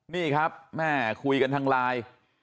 นี่ครับแม่คุยกันทางไลน์